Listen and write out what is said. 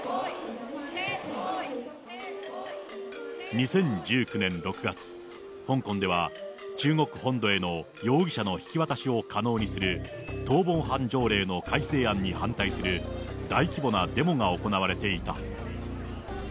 ２０１９年６月、香港では中国本土への容疑者の引き渡しを可能にする逃亡犯条例の改正案に反対する、大規模なデモが行われていた。